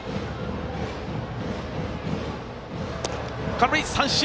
空振り三振。